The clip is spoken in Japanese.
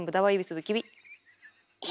え？